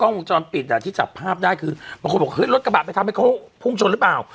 วงจรปิดอ่ะที่จับภาพได้คือบางคนบอกเฮ้ยรถกระบะไปทำให้เขาพุ่งชนหรือเปล่า